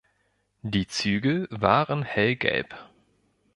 Die Zügel waren hellgelb.